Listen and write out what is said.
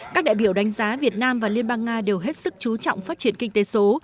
các đại biểu đánh giá việt nam và liên bang nga đều hết sức chú trọng phát triển kinh tế số